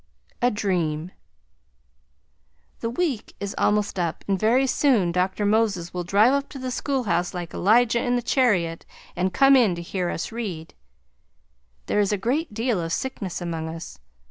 A DREAM The week is almost up and very soon Dr. Moses will drive up to the school house like Elijah in the chariot and come in to hear us read. There is a good deal of sickness among us.